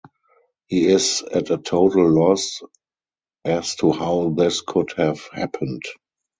He is at a total loss as to how this could have happened.